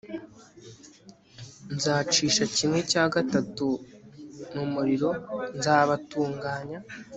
nzacisha kimwe cya gatatu mu muriro nzabatunganya